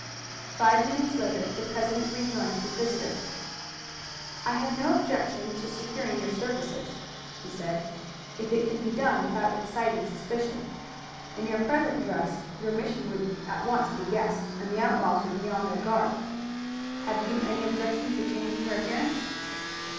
Five minutes later the president rejoined his visitor. "I have no objection to securing your services," he said, "if it can be done without exciting suspicion. In your present dress your mission would at once be guessed, and the outlaws would be on their guard. Have you any objection to changing your appearance?"